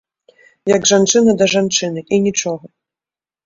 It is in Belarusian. Як жанчына да жанчыны, і нічога.